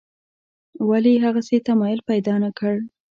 ولې یې هغسې تمایل پیدا نکړ.